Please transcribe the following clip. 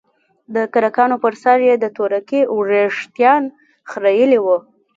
چې دکرکانو په سر يې د تورکي وريښتان خرييلي وو.